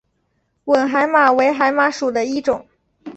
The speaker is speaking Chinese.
吻海马为海马属的一种。